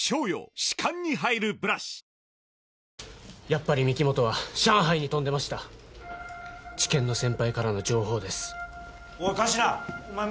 やっぱり御木本は上海に飛んでました地検の先輩からの情報ですおい神志名お前